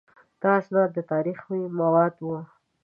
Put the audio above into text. دا اسناد د تاریخ مواد وو.